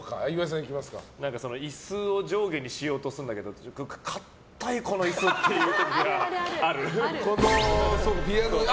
椅子を上下にしようとするんだけど固い椅子っていうときがある。